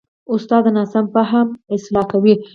استاد د ناسم فهم اصلاح کوي.